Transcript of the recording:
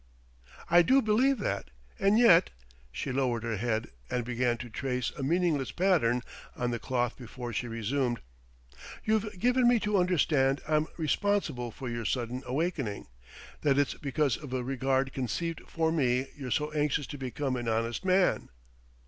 "I do believe that, and yet..." She lowered her head and began to trace a meaningless pattern on the cloth before she resumed. "You've given me to understand I'm responsible for your sudden awakening, that it's because of a regard conceived for me you're so anxious to become an honest man.